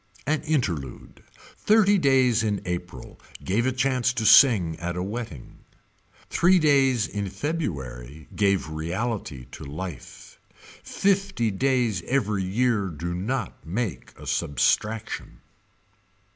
An Interlude. Thirty days in April gave a chance to sing at a wedding. Three days in February gave reality to life. Fifty days every year do not make substraction.